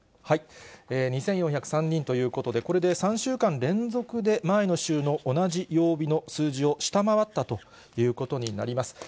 ２４０３人ということで、これで３週間連続で、前の週の同じ曜日の数字を下回ったということになります。